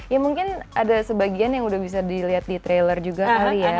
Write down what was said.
ya mungkin ada sebagian yang udah bisa dilihat di trailer juga kali ya